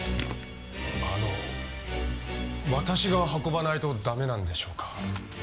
あの私が運ばないとダメなんでしょうか？